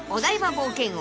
冒険王